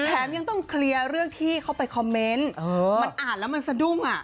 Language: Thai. แถมยังต้องเคลียร์เรื่องที่เขาไปคอมเมนต์มันอ่านแล้วมันสะดุ้งอ่ะ